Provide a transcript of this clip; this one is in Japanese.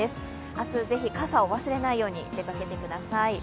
明日、是非傘を忘れないように出かけてください。